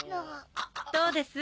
どうです？